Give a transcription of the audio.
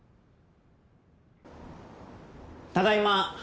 ただいま。